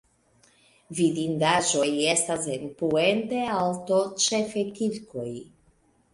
Vidindaĵoj estas en Puente Alto ĉefe kirkoj.